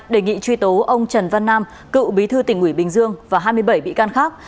đề nghị truy tố ông trần văn nam cựu bí thư tỉnh ủy bình dương và hai mươi bảy bị can khác